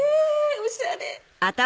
おしゃれ！